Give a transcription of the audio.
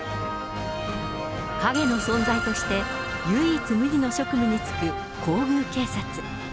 陰の存在として、唯一無二の職務に就く皇宮警察。